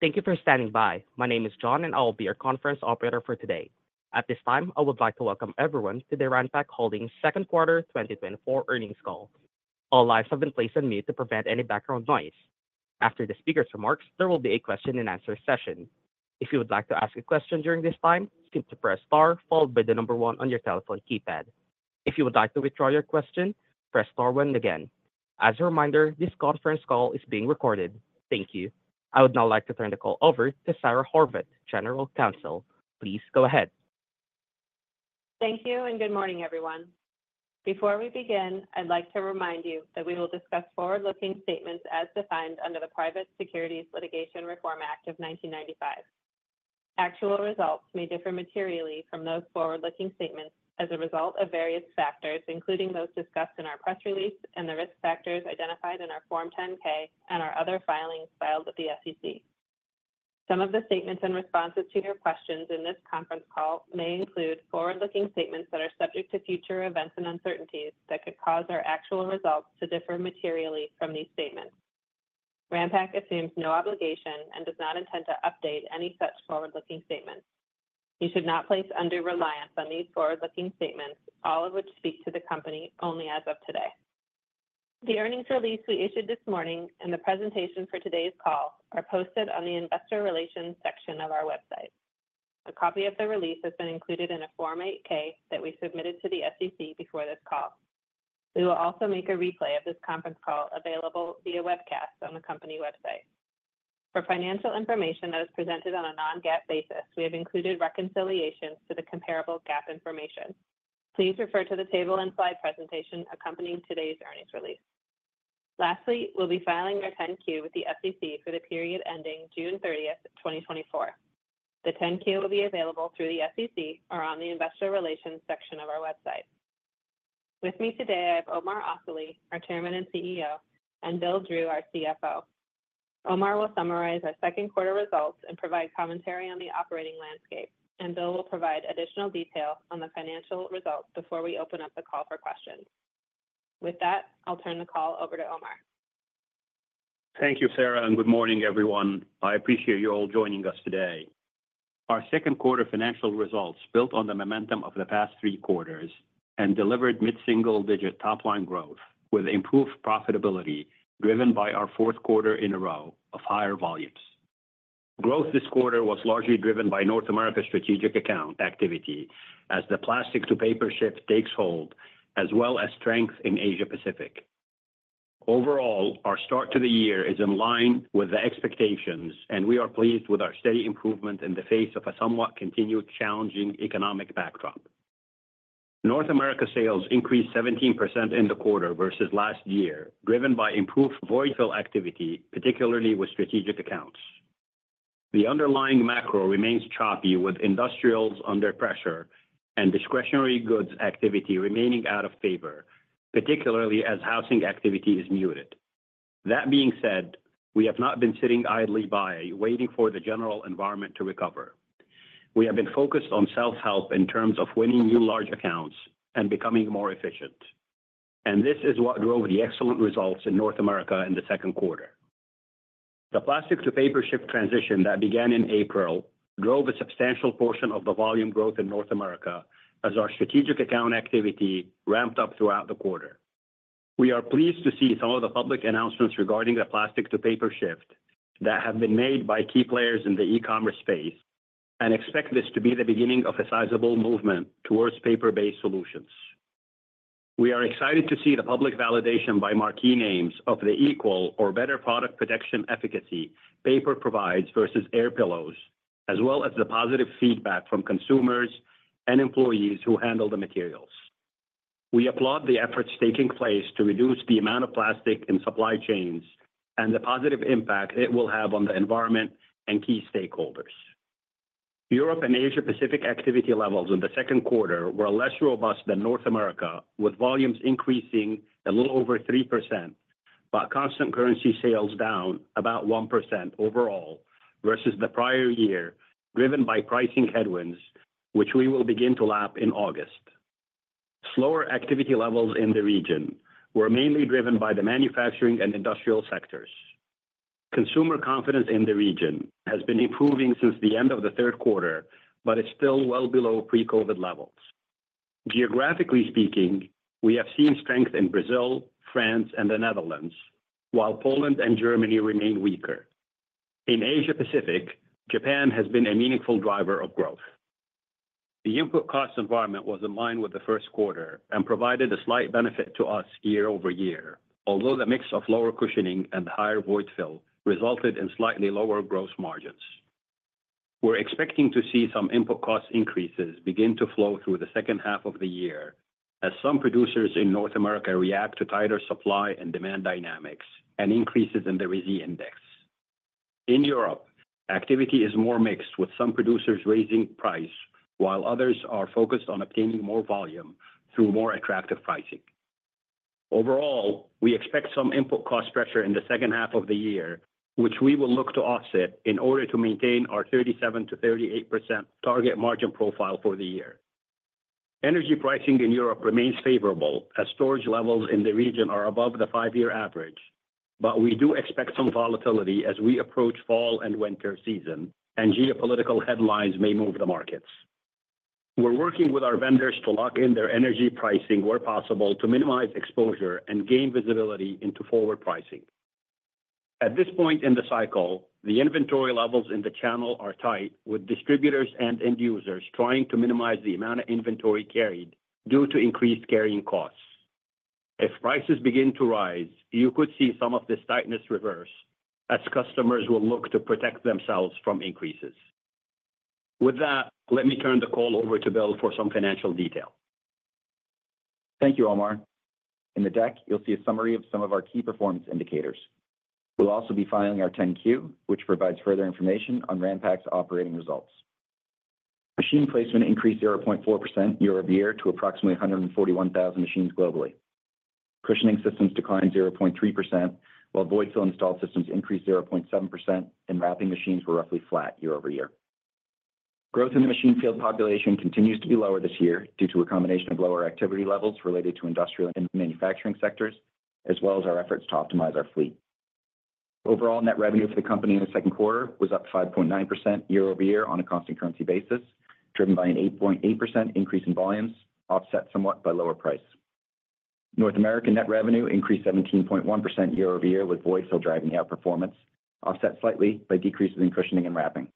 Thank you for standing by. My name is John, and I will be your conference operator for today. At this time, I would like to welcome everyone to the Ranpak Holdings Second Quarter 2024 Earnings Call. All lines have been placed on mute to prevent any background noise. After the speaker's remarks, there will be a question and answer session. If you would like to ask a question during this time, simply press star, followed by the number one on your telephone keypad. If you would like to withdraw your question, press star one again. As a reminder, this conference call is being recorded. Thank you. I would now like to turn the call over to Sara Horvath, General Counsel. Please go ahead. Thank you, and good morning, everyone. Before we begin, I'd like to remind you that we will discuss forward-looking statements as defined under the Private Securities Litigation Reform Act of 1995. Actual results may differ materially from those forward-looking statements as a result of various factors, including those discussed in our press release and the risk factors identified in our Form 10-K and our other filings filed with the SEC. Some of the statements and responses to your questions in this conference call may include forward-looking statements that are subject to future events and uncertainties that could cause our actual results to differ materially from these statements. Ranpak assumes no obligation and does not intend to update any such forward-looking statements. You should not place undue reliance on these forward-looking statements, all of which speak to the company only as of today. The earnings release we issued this morning and the presentation for today's call are posted on the investor relations section of our website. A copy of the release has been included in a Form 8-K that we submitted to the SEC before this call. We will also make a replay of this conference call available via webcast on the company website. For financial information that is presented on a non-GAAP basis, we have included reconciliations to the comparable GAAP information. Please refer to the table and slide presentation accompanying today's earnings release. Lastly, we'll be filing our 10-Q with the SEC for the period ending June 30, 2024. The 10-Q will be available through the SEC or on the investor relations section of our website. With me today, I have Omar Asali, our Chairman and CEO, and Bill Drew, our CFO. Omar will summarize our second quarter results and provide commentary on the operating landscape, and Bill will provide additional detail on the financial results before we open up the call for questions. With that, I'll turn the call over to Omar. Thank you, Sara, and good morning, everyone. I appreciate you all joining us today. Our second quarter financial results built on the momentum of the past three quarters and delivered mid-single-digit top-line growth with improved profitability, driven by our fourth quarter in a row of higher volumes. Growth this quarter was largely driven by North America strategic account activity as the plastic-to-paper shift takes hold, as well as strength in Asia Pacific. Overall, our start to the year is in line with the expectations, and we are pleased with our steady improvement in the face of a somewhat continued challenging economic backdrop. North America sales increased 17% in the quarter versus last year, driven by improved void fill activity, particularly with strategic accounts. The underlying macro remains choppy, with industrials under pressure and discretionary goods activity remaining out of favor, particularly as housing activity is muted. That being said, we have not been sitting idly by waiting for the general environment to recover. We have been focused on self-help in terms of winning new large accounts and becoming more efficient, and this is what drove the excellent results in North America in the second quarter. The plastic-to-paper shift transition that began in April drove a substantial portion of the volume growth in North America as our strategic account activity ramped up throughout the quarter. We are pleased to see some of the public announcements regarding the plastic-to-paper shift that have been made by key players in the e-commerce space and expect this to be the beginning of a sizable movement towards paper-based solutions. We are excited to see the public validation by marquee names of the equal or better product protection efficacy paper provides versus air pillows, as well as the positive feedback from consumers and employees who handle the materials. We applaud the efforts taking place to reduce the amount of plastic in supply chains and the positive impact it will have on the environment and key stakeholders. Europe and Asia Pacific activity levels in the second quarter were less robust than North America, with volumes increasing a little over 3%, but constant currency sales down about 1% overall versus the prior year, driven by pricing headwinds, which we will begin to lap in August. Slower activity levels in the region were mainly driven by the manufacturing and industrial sectors. Consumer confidence in the region has been improving since the end of the third quarter, but is still well below pre-COVID levels. Geographically speaking, we have seen strength in Brazil, France, and the Netherlands, while Poland and Germany remain weaker. In Asia Pacific, Japan has been a meaningful driver of growth. The input cost environment was in line with the first quarter and provided a slight benefit to us year-over-year. Although the mix of lower cushioning and higher void fill resulted in slightly lower gross margins. We're expecting to see some input cost increases begin to flow through the second half of the year as some producers in North America react to tighter supply and demand dynamics and increases in the RISI Index. In Europe, activity is more mixed, with some producers raising price, while others are focused on obtaining more volume through more attractive pricing. Overall, we expect some input cost pressure in the second half of the year, which we will look to offset in order to maintain our 37%-38% target margin profile for the year. Energy pricing in Europe remains favorable, as storage levels in the region are above the five-year average. But we do expect some volatility as we approach fall and winter season, and geopolitical headlines may move the markets. We're working with our vendors to lock in their energy pricing where possible, to minimize exposure and gain visibility into forward pricing. At this point in the cycle, the inventory levels in the channel are tight, with distributors and end users trying to minimize the amount of inventory carried due to increased carrying costs. If prices begin to rise, you could see some of this tightness reverse, as customers will look to protect themselves from increases. With that, let me turn the call over to Bill for some financial detail. Thank you, Omar. In the deck, you'll see a summary of some of our key performance indicators. We'll also be filing our 10-Q, which provides further information on Ranpak's operating results. Machine placement increased 0.4% year-over-year to approximately 141,000 machines globally. Cushioning systems declined 0.3%, while void fill installed systems increased 0.7%, and wrapping machines were roughly flat year-over-year. Growth in the machine field population continues to be lower this year due to a combination of lower activity levels related to industrial and manufacturing sectors, as well as our efforts to optimize our fleet. Overall, net revenue for the company in the second quarter was up 5.9% year-over-year on a constant currency basis, driven by an 8.8% increase in volumes, offset somewhat by lower price. North American net revenue increased 17.1% year-over-year, with void fill driving outperformance, offset slightly by decreases in cushioning and wrapping.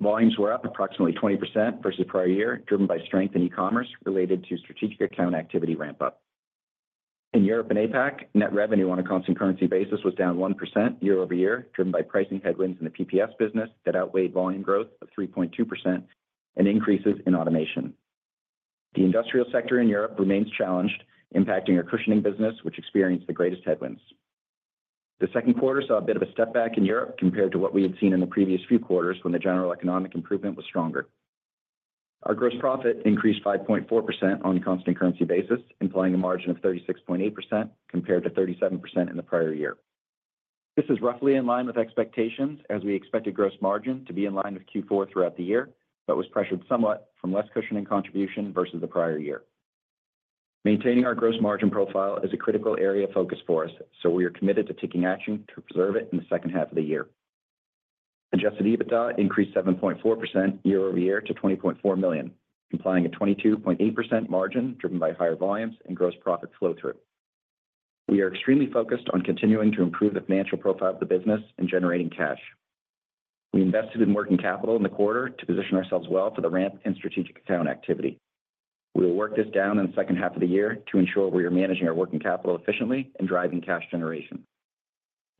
Volumes were up approximately 20% versus prior year, driven by strength in e-commerce related to strategic account activity ramp-up. In Europe and APAC, net revenue on a constant currency basis was down 1% year-over-year, driven by pricing headwinds in the PPS business that outweighed volume growth of 3.2% and increases in automation. The industrial sector in Europe remains challenged, impacting our cushioning business, which experienced the greatest headwinds. The second quarter saw a bit of a step back in Europe compared to what we had seen in the previous few quarters when the general economic improvement was stronger. Our gross profit increased 5.4% on a constant currency basis, implying a margin of 36.8% compared to 37% in the prior year. This is roughly in line with expectations, as we expected gross margin to be in line with Q4 throughout the year, but was pressured somewhat from less cushioning contribution versus the prior year. Maintaining our gross margin profile is a critical area of focus for us, so we are committed to taking action to preserve it in the second half of the year. Adjusted EBITDA increased 7.4% year-over-year to $20.4 million, implying a 22.8% margin driven by higher volumes and gross profit flow through. We are extremely focused on continuing to improve the financial profile of the business and generating cash. We invested in working capital in the quarter to position ourselves well for the ramp in strategic account activity. We will work this down in the second half of the year to ensure we are managing our working capital efficiently and driving cash generation.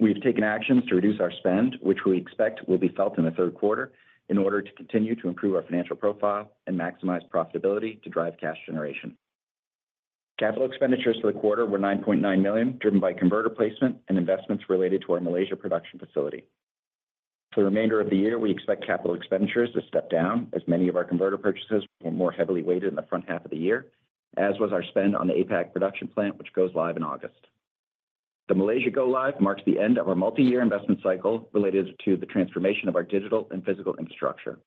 We have taken actions to reduce our spend, which we expect will be felt in the third quarter, in order to continue to improve our financial profile and maximize profitability to drive cash generation. Capital expenditures for the quarter were $9.9 million, driven by converter placement and investments related to our Malaysia production facility. For the remainder of the year, we expect capital expenditures to step down as many of our converter purchases were more heavily weighted in the front half of the year, as was our spend on the APAC production plant, which goes live in August. The Malaysia go-live marks the end of our multi-year investment cycle related to the transformation of our digital and physical infrastructure.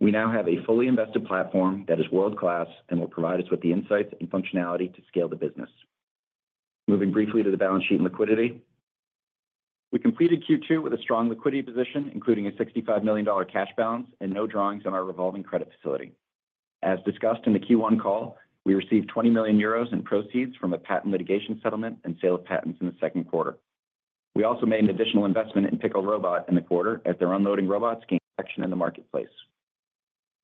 We now have a fully invested platform that is world-class and will provide us with the insights and functionality to scale the business. Moving briefly to the balance sheet and liquidity. We completed Q2 with a strong liquidity position, including a $65 million cash balance and no drawings on our revolving credit facility. As discussed in the Q1 call, we received 20 million euros in proceeds from a patent litigation settlement and sale of patents in the second quarter. We also made an additional investment in Pickle Robot in the quarter, as their unloading robots gain traction in the marketplace.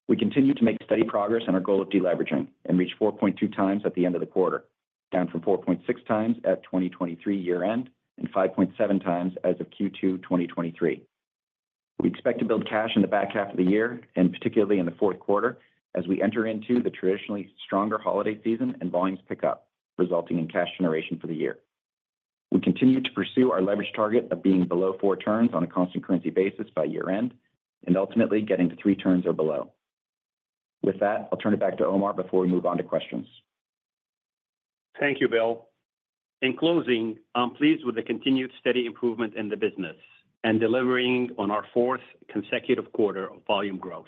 We continue to make steady progress on our goal of deleveraging and reached 4.2 times at the end of the quarter, down from 4.6 times at 2023 year-end and 5.7 times as of Q2 2023. We expect to build cash in the back half of the year, and particularly in the fourth quarter, as we enter into the traditionally stronger holiday season and volumes pick up, resulting in cash generation for the year. We continue to pursue our leverage target of being below 4 turns on a constant currency basis by year-end, and ultimately getting to three turns or below. With that, I'll turn it back to Omar before we move on to questions. Thank you, Bill. In closing, I'm pleased with the continued steady improvement in the business and delivering on our fourth consecutive quarter of volume growth.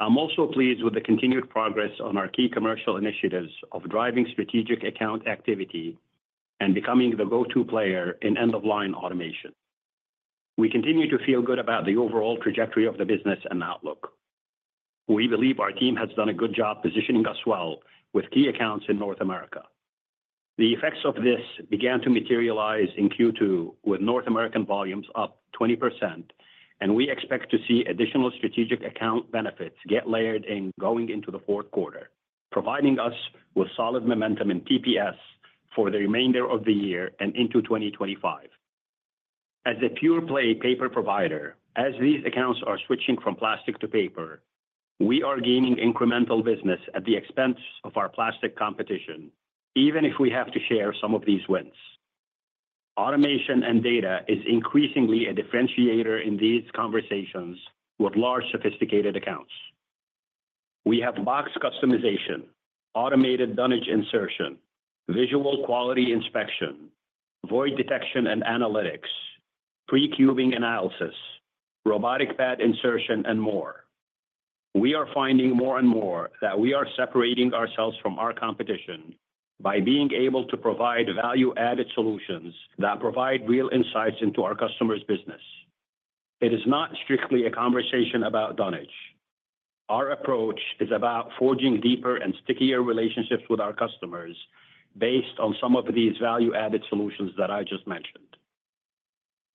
I'm also pleased with the continued progress on our key commercial initiatives of driving strategic account activity and becoming the go-to player in end-of-line automation. We continue to feel good about the overall trajectory of the business and outlook. We believe our team has done a good job positioning us well with key accounts in North America. The effects of this began to materialize in Q2, with North American volumes up 20%, and we expect to see additional strategic account benefits get layered in going into the fourth quarter, providing us with solid momentum in TPS for the remainder of the year and into 2025. As a pure-play paper provider, as these accounts are switching from plastic to paper, we are gaining incremental business at the expense of our plastic competition, even if we have to share some of these wins. Automation and data is increasingly a differentiator in these conversations with large, sophisticated accounts. We have box customization, automated dunnage insertion, visual quality inspection, void detection and analytics, pre-cubing analysis, robotic pad insertion, and more. We are finding more and more that we are separating ourselves from our competition by being able to provide value-added solutions that provide real insights into our customers' business. It is not strictly a conversation about tonnage. Our approach is about forging deeper and stickier relationships with our customers based on some of these value-added solutions that I just mentioned.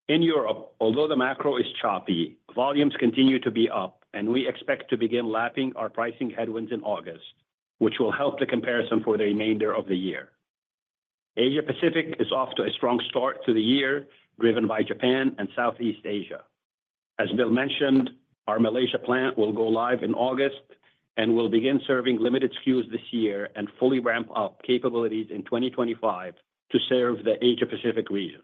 In Europe, although the macro is choppy, volumes continue to be up, and we expect to begin lapping our pricing headwinds in August, which will help the comparison for the remainder of the year. Asia Pacific is off to a strong start to the year, driven by Japan and Southeast Asia. As Bill mentioned, our Malaysia plant will go live in August and will begin serving limited SKUs this year and fully ramp up capabilities in 2025 to serve the Asia Pacific region.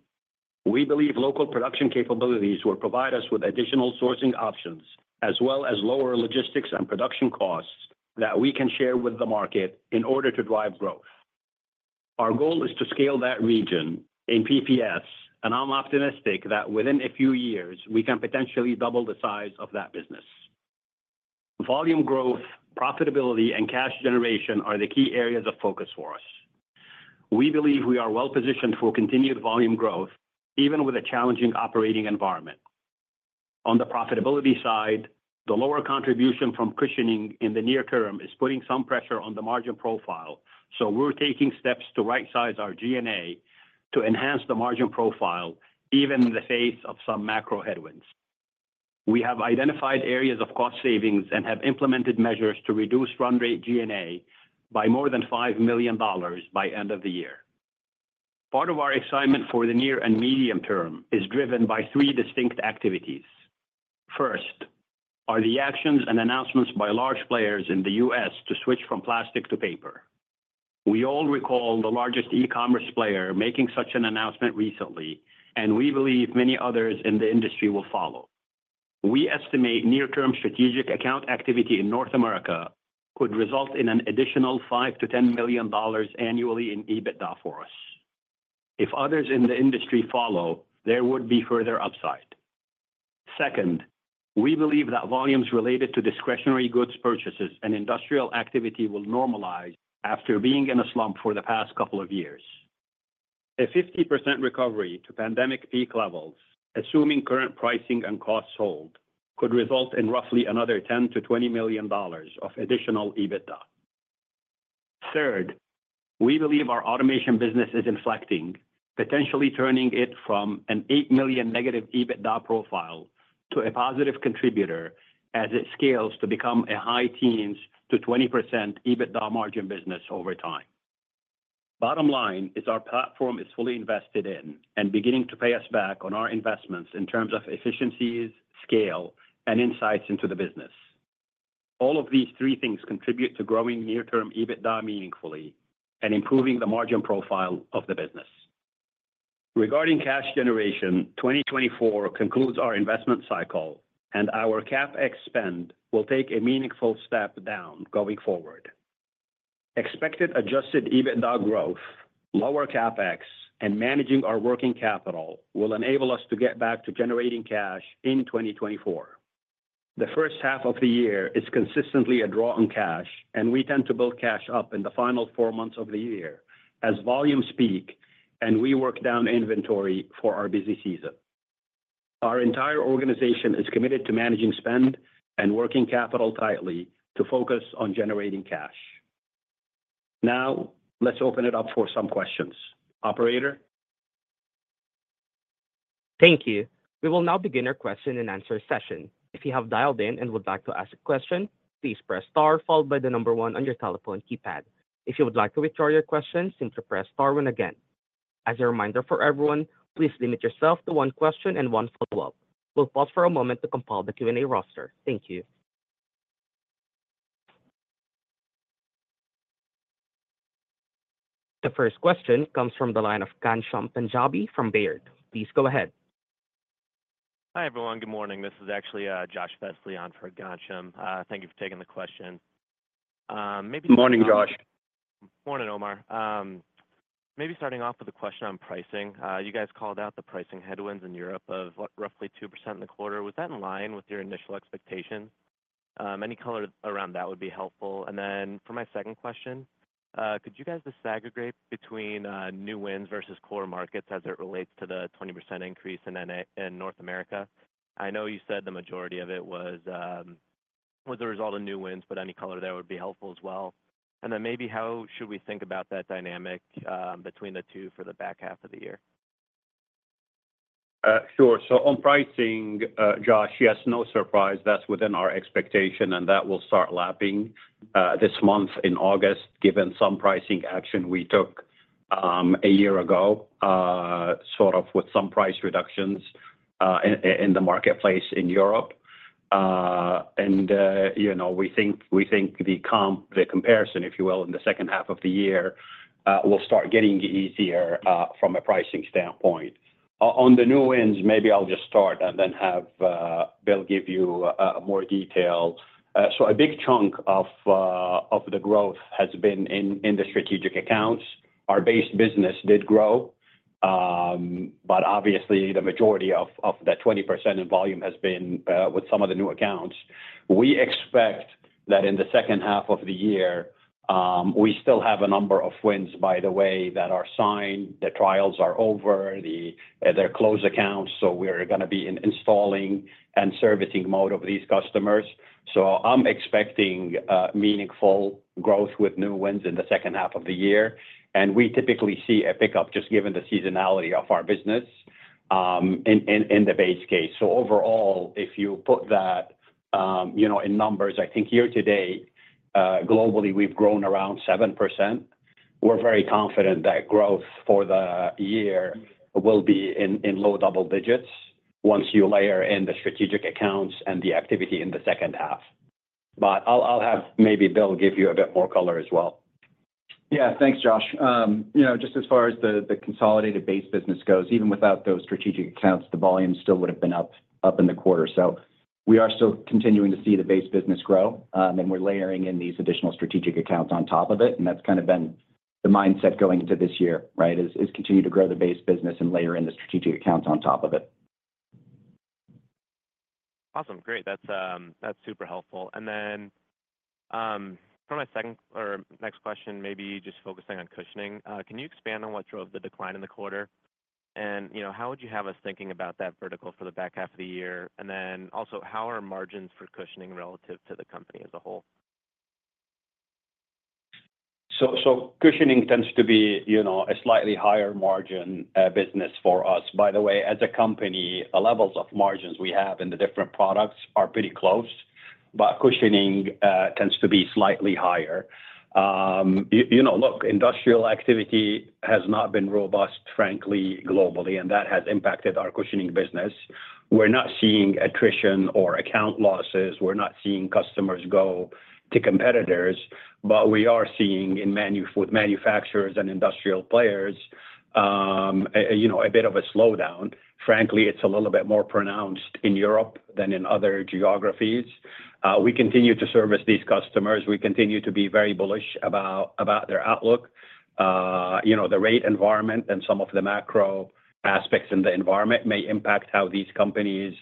We believe local production capabilities will provide us with additional sourcing options, as well as lower logistics and production costs that we can share with the market in order to drive growth. Our goal is to scale that region in PPS, and I'm optimistic that within a few years, we can potentially double the size of that business. Volume growth, profitability, and cash generation are the key areas of focus for us. We believe we are well-positioned for continued volume growth, even with a challenging operating environment. On the profitability side, the lower contribution from cushioning in the near term is putting some pressure on the margin profile, so we're taking steps to rightsize our G&A to enhance the margin profile, even in the face of some macro headwinds. We have identified areas of cost savings and have implemented measures to reduce run rate G&A by more than $5 million by end of the year. Part of our excitement for the near and medium term is driven by three distinct activities. First, are the actions and announcements by large players in the U.S. to switch from plastic to paper. We all recall the largest e-commerce player making such an announcement recently, and we believe many others in the industry will follow. We estimate near-term strategic account activity in North America could result in an additional $5million to $10 million annually in EBITDA for us. If others in the industry follow, there would be further upside. Second, we believe that volumes related to discretionary goods purchases and industrial activity will normalize after being in a slump for the past couple of years. A 50% recovery to pandemic peak levels, assuming current pricing and costs hold, could result in roughly another $10 million to $20 million of additional EBITDA. Third, we believe our automation business is inflecting, potentially turning it from an $8 million negative EBITDA profile to a positive contributor as it scales to become a high teens to 20% EBITDA margin business over time. Bottom line is our platform is fully invested in and beginning to pay us back on our investments in terms of efficiencies, scale, and insights into the business. All of these three things contribute to growing near-term EBITDA meaningfully and improving the margin profile of the business. Regarding cash generation, 2024 concludes our investment cycle, and our CapEx spend will take a meaningful step down going forward. Expected adjusted EBITDA growth, lower CapEx, and managing our working capital will enable us to get back to generating cash in 2024. The first half of the year is consistently a draw on cash, and we tend to build cash up in the final four months of the year as volumes peak and we work down inventory for our busy season. Our entire organization is committed to managing spend and working capital tightly to focus on generating cash. Now, let's open it up for some questions. Operator? Thank you. We will now begin our question-and-answer session. If you have dialed in and would like to ask a question, please press star followed by the number one on your telephone keypad. If you would like to withdraw your question, simply press star one again. As a reminder for everyone, please limit yourself to one question and one follow-up. We'll pause for a moment to compile the Q&A roster. Thank you. The first question comes from the line of Ghansham Panjabi from Baird. Please go ahead. Hi, everyone. Good morning. This is actually Josh Vetzlian on for Ghansham. Thank you for taking the question. Maybe- Good morning, Josh. Morning, Omar. Maybe starting off with a question on pricing. You guys called out the pricing headwinds in Europe of, what, roughly 2% in the quarter. Was that in line with your initial expectation? Any color around that would be helpful. And then for my second question, could you guys disaggregate between new wins versus core markets as it relates to the 20% increase in North America? I know you said the majority of it was a result of new wins, but any color there would be helpful as well. And then maybe how should we think about that dynamic between the two for the back half of the year? Sure. So on pricing, Josh, yes, no surprise, that's within our expectation, and that will start lapping this month in August, given some pricing action we took a year ago, sort of with some price reductions in the marketplace in Europe. And you know, we think the comparison, if you will, in the second half of the year will start getting easier from a pricing standpoint. On the new wins, maybe I'll just start and then have Bill give you more detail. So a big chunk of the growth has been in the strategic accounts. Our base business did grow, but obviously the majority of that 20% in volume has been with some of the new accounts. We expect that in the second half of the year, we still have a number of wins, by the way, that are signed, the trials are over, the they're closed accounts, so we're gonna be in installing and servicing mode of these customers. So I'm expecting meaningful growth with new wins in the second half of the year, and we typically see a pickup just given the seasonality of our business, in the base case. So overall, if you put that, you know, in numbers, I think year to date, globally, we've grown around 7%. We're very confident that growth for the year will be in low double digits once you layer in the strategic accounts and the activity in the second half. But I'll have maybe Bill give you a bit more color as well. Yeah, thanks, Josh. You know, just as far as the consolidated base business goes, even without those strategic accounts, the volume still would have been up in the quarter. So we are still continuing to see the base business grow, and we're layering in these additional strategic accounts on top of it, and that's kind of been the mindset going into this year, right? Is continue to grow the base business and layer in the strategic accounts on top of it. Awesome. Great. That's super helpful. And then, for my second or next question, maybe just focusing on cushioning. Can you expand on what drove the decline in the quarter? And, you know, how would you have us thinking about that vertical for the back half of the year? And then also, how are margins for cushioning relative to the company as a whole? So, cushioning tends to be, you know, a slightly higher margin business for us. By the way, as a company, the levels of margins we have in the different products are pretty close, but cushioning tends to be slightly higher. You know, look, industrial activity has not been robust, frankly, globally, and that has impacted our cushioning business. We're not seeing attrition or account losses. We're not seeing customers go to competitors, but we are seeing in manufacturing with manufacturers and industrial players, you know, a bit of a slowdown. Frankly, it's a little bit more pronounced in Europe than in other geographies. We continue to service these customers. We continue to be very bullish about, about their outlook. You know, the rate environment and some of the macro aspects in the environment may impact how these companies,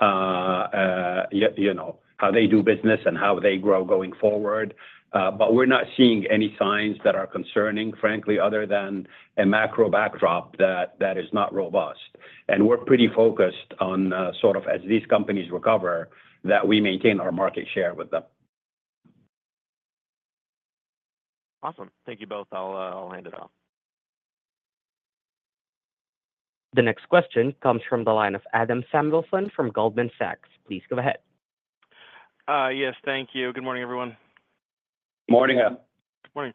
you know, how they do business and how they grow going forward. But we're not seeing any signs that are concerning, frankly, other than a macro backdrop that is not robust. And we're pretty focused on, sort of as these companies recover, that we maintain our market share with them. Awesome. Thank you both. I'll, I'll hand it off. The next question comes from the line of Adam Samuelson from Goldman Sachs. Please go ahead. Yes, thank you. Good morning, everyone. Morning, Adam. Morning.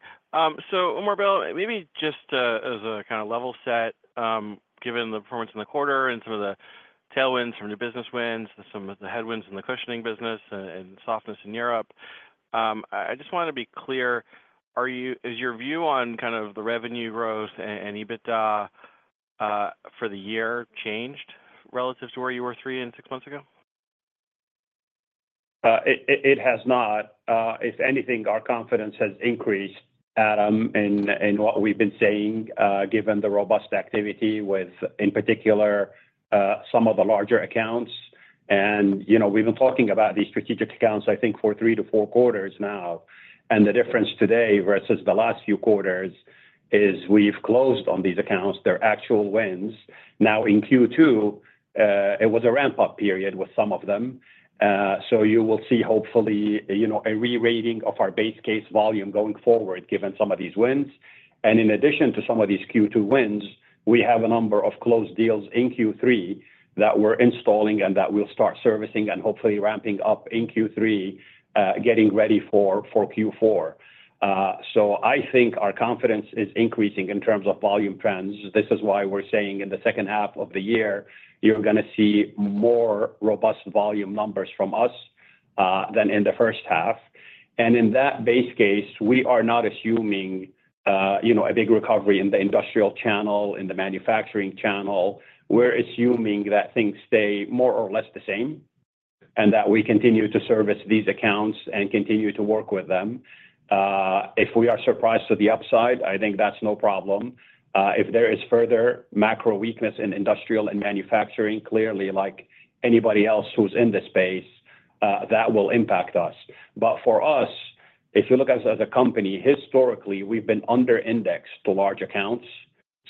So Omar, Bill, maybe just as a kind of level set, given the performance in the quarter and some of the tailwinds from new business wins, some of the headwinds in the cushioning business and softness in Europe, I just want to be clear: is your view on kind of the revenue growth and EBITDA for the year changed relative to where you were three and six months ago? It has not. If anything, our confidence has increased, Adam, in what we've been saying, given the robust activity with, in particular, some of the larger accounts. And, you know, we've been talking about these strategic accounts, I think, for three to four quarters now. And the difference today versus the last few quarters is we've closed on these accounts, they're actual wins. Now, in Q2, it was a ramp-up period with some of them. So you will see, hopefully, you know, a rerating of our base case volume going forward, given some of these wins. And in addition to some of these Q2 wins, we have a number of closed deals in Q3 that we're installing and that we'll start servicing and hopefully ramping up in Q3, getting ready for Q4. So I think our confidence is increasing in terms of volume trends. This is why we're saying in the second half of the year, you're gonna see more robust volume numbers from us, than in the first half. In that base case, we are not assuming, you know, a big recovery in the industrial channel, in the manufacturing channel. We're assuming that things stay more or less the same, and that we continue to service these accounts and continue to work with them. If we are surprised to the upside, I think that's no problem. If there is further macro weakness in industrial and manufacturing, clearly like anybody else who's in this space, that will impact us. But for us, if you look us as a company, historically, we've been under indexed to large accounts.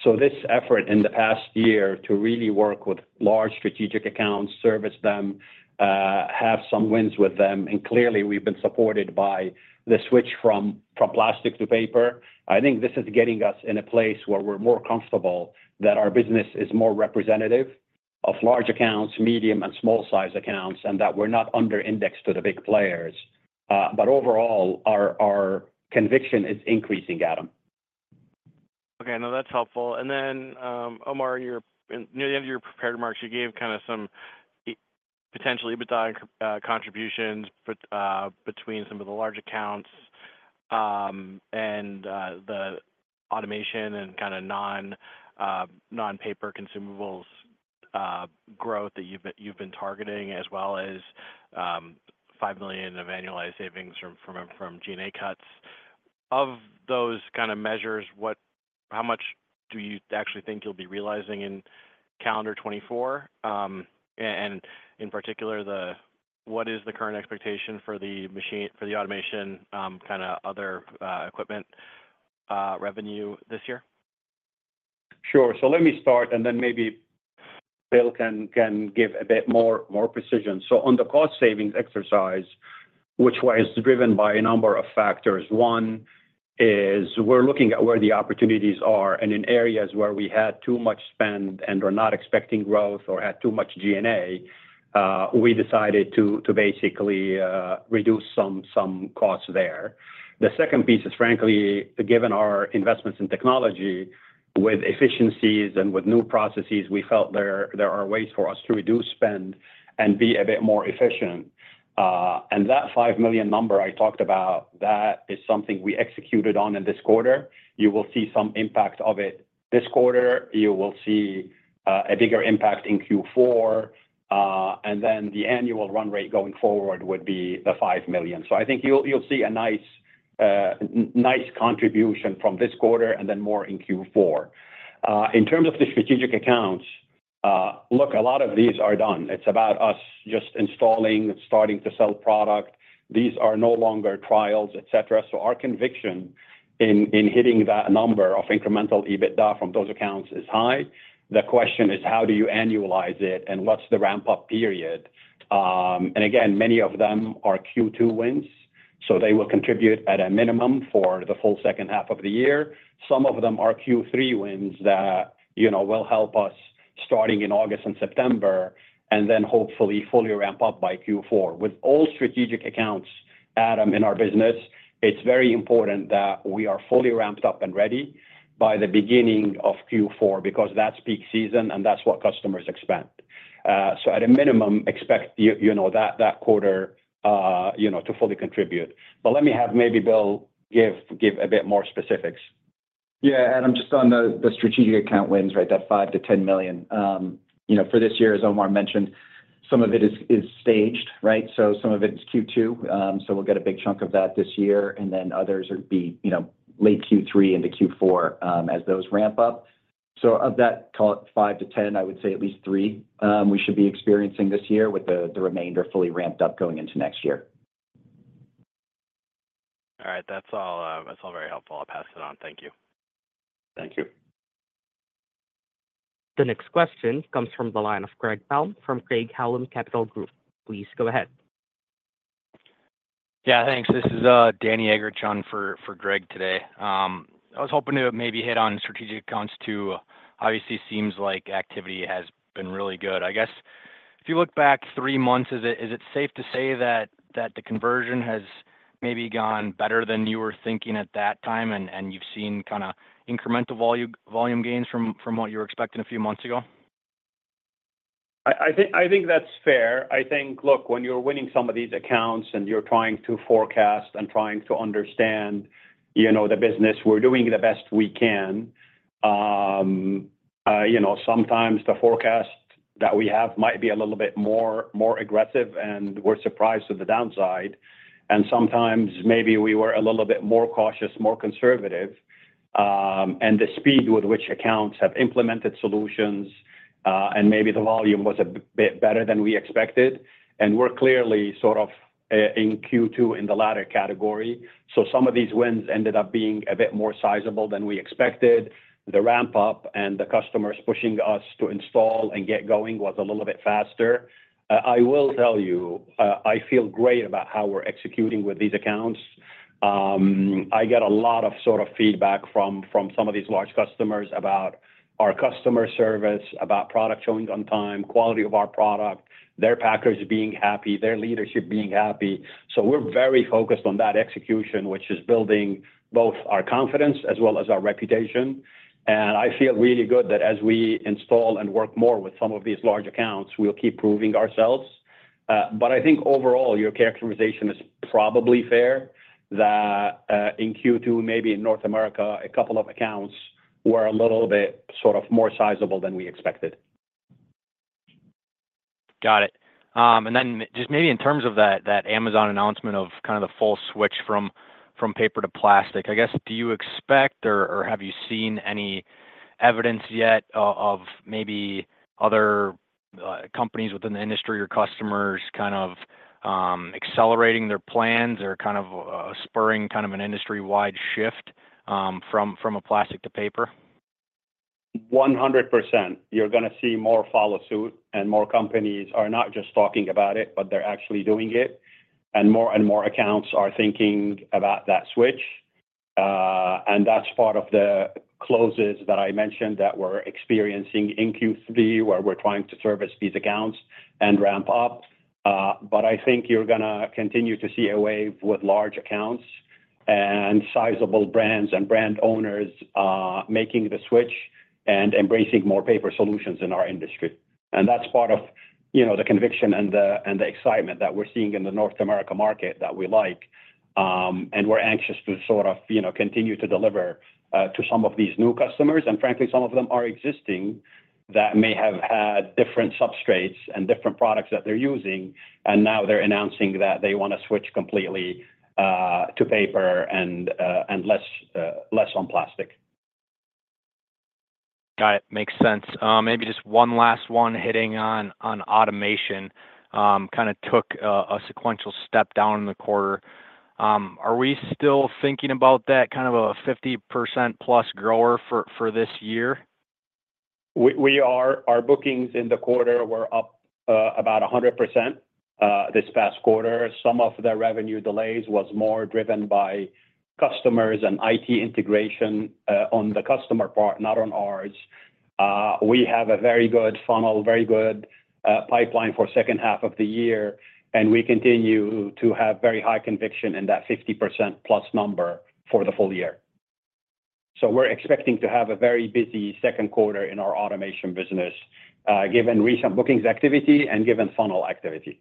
So this effort in the past year to really work with large strategic accounts, service them, have some wins with them, and clearly, we've been supported by the switch from plastic to paper. I think this is getting us in a place where we're more comfortable that our business is more representative of large accounts, medium, and small-sized accounts, and that we're not under indexed to the big players. But overall, our conviction is increasing, Adam. Okay, now that's helpful. And then, Omar, in your... Near the end of your prepared remarks, you gave kind of some potentially EBITDA contributions between some of the large accounts, and the automation and kinda non-paper consumables growth that you've been targeting as well as $5 million of annualized savings from G&A cuts. Of those kind of measures, how much do you actually think you'll be realizing in calendar 2024? And in particular, what is the current expectation for the machines for the automation kind of other equipment revenue this year? Sure. So let me start, and then maybe Bill can give a bit more precision. So on the cost savings exercise, which was driven by a number of factors, one is we're looking at where the opportunities are, and in areas where we had too much spend and are not expecting growth or had too much G&A, we decided to basically reduce some costs there. The second piece is, frankly, given our investments in technology, with efficiencies and with new processes, we felt there are ways for us to reduce spend and be a bit more efficient. And that $5 million number I talked about, that is something we executed on in this quarter. You will see some impact of it this quarter. You will see a bigger impact in Q4, and then the annual run rate going forward would be the $5 million. So I think you'll see a nice contribution from this quarter, and then more in Q4. In terms of the strategic accounts, look, a lot of these are done. It's about us just installing, starting to sell product. These are no longer trials, et cetera. So our conviction in hitting that number of incremental EBITDA from those accounts is high. The question is: How do you annualize it, and what's the ramp-up period? And again, many of them are Q2 wins, so they will contribute at a minimum for the full second half of the year. Some of them are Q3 wins that, you know, will help us starting in August and September, and then hopefully fully ramp up by Q4. With all strategic accounts, Adam, in our business, it's very important that we are fully ramped up and ready by the beginning of Q4, because that's peak season, and that's what customers expect. So at a minimum, expect you know that quarter you know to fully contribute. But let me have maybe Bill give a bit more specifics. Yeah, Adam, just on the strategic account wins, right? That $5 million to $10 million. You know, for this year, as Omar mentioned, some of it is staged, right? So some of it is Q2, so we'll get a big chunk of that this year, and then others would be, you know, late Q3 into Q4, as those ramp up. So of that, call it $5 million to $10 million, I would say at least $3 million, we should be experiencing this year, with the remainder fully ramped up going into next year. All right. That's all, that's all very helpful. I'll pass it on. Thank you. Thank you. The next question comes from the line of Greg Palm from Craig-Hallum Capital Group. Please go ahead. Yeah, thanks. This is Danny Eggerichs for Greg Palm today. I was hoping to maybe hit on strategic accounts, too. Obviously, seems like activity has been really good. I guess if you look back three months, is it safe to say that the conversion has maybe gone better than you were thinking at that time, and you've seen kinda incremental volume gains from what you were expecting a few months ago? I think that's fair. I think... Look, when you're winning some of these accounts, and you're trying to forecast and trying to understand, you know, the business, we're doing the best we can. You know, sometimes the forecast that we have might be a little bit more aggressive, and we're surprised to the downside. And sometimes maybe we were a little bit more cautious, more conservative, and the speed with which accounts have implemented solutions, and maybe the volume was a bit better than we expected, and we're clearly sort of in Q2 in the latter category. So some of these wins ended up being a bit more sizable than we expected. The ramp-up and the customers pushing us to install and get going was a little bit faster. I will tell you, I feel great about how we're executing with these accounts. I get a lot of sort of feedback from some of these large customers about our customer service, about product showing on time, quality of our product, their packers being happy, their leadership being happy. So we're very focused on that execution, which is building both our confidence as well as our reputation. And I feel really good that as we install and work more with some of these large accounts, we'll keep proving ourselves. But I think overall, your characterization is probably fair, that in Q2, maybe in North America, a couple of accounts were a little bit sort of more sizable than we expected. Got it. And then just maybe in terms of that, that Amazon announcement of kind of the full switch from plastic to paper, I guess, do you expect or have you seen any evidence yet of maybe other companies within the industry or customers kind of accelerating their plans or kind of spurring kind of an industry-wide shift from plastic to paper? 100%. You're gonna see more follow suit, and more companies are not just talking about it, but they're actually doing it, and more and more accounts are thinking about that switch. And that's part of the closes that I mentioned that we're experiencing in Q3, where we're trying to service these accounts and ramp up. But I think you're gonna continue to see a wave with large accounts and sizable brands and brand owners, making the switch and embracing more paper solutions in our industry. And that's part of, you know, the conviction and the, and the excitement that we're seeing in the North America market that we like. And we're anxious to sort of, you know, continue to deliver, to some of these new customers. Frankly, some of them are existing that may have had different substrates and different products that they're using, and now they're announcing that they wanna switch completely to paper and less on plastic. Got it. Makes sense. Maybe just one last one hitting on, on automation. Kind of took a sequential step down in the quarter. Are we still thinking about that, kind of, a 50%+ grower for, for this year? Our bookings in the quarter were up about 100% this past quarter. Some of the revenue delays was more driven by customers and IT integration on the customer part, not on ours. We have a very good funnel, very good pipeline for second half of the year, and we continue to have very high conviction in that 50%+ number for the full year. So we're expecting to have a very busy second quarter in our automation business given recent bookings activity and given funnel activity.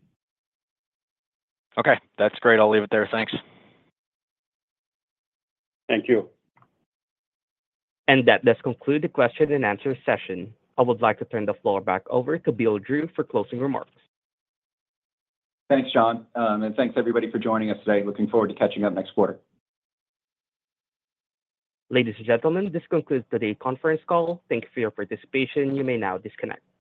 Okay. That's great. I'll leave it there. Thanks. Thank you. That does conclude the question and answer session. I would like to turn the floor back over to Bill Drew for closing remarks. Thanks, John. Thanks, everybody, for joining us today. Looking forward to catching up next quarter. Ladies and gentlemen, this concludes today's conference call. Thank you for your participation. You may now disconnect.